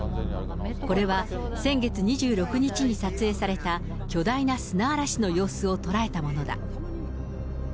これは、先月２６日に撮影された巨大な砂嵐の様子を捉えたものだ。